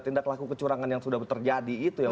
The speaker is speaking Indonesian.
tindak laku kecurangan yang sudah terjadi itu yang